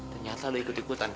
ternyata lo ikut ikutan